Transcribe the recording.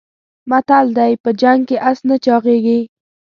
متل دی: په جنګ کې اس نه چاغېږي.